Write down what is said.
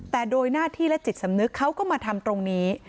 แต่โดยหน้าที่และจิตสำนึกเขาก็มาทำตรงนี้